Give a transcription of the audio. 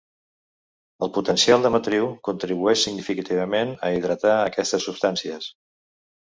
El potencial de matriu contribueix significativament a hidratar aquestes substàncies.